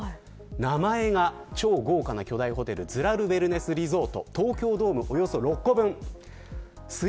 名前が超豪華なホテルズラル・ウェルネス・リゾート東京ドーム６個分です。